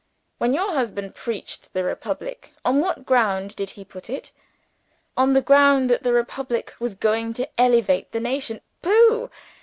When your husband preached the republic, on what ground did he put it? On the ground that the republic was going to elevate the nation. Pooh!